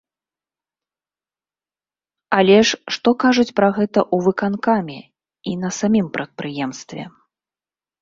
Але ж што кажуць пра гэта ў выканкаме і на самім прадпрыемстве?